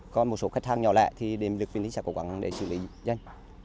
còn một số khách hàng nhỏ lẹ thì điện lực huyện vĩnh linh sẽ cố gắng để xử lý dân